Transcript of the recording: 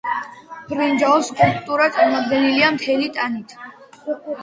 ბრინჯაოს სკულპტურა წარმოდგენილია მთელი ტანით.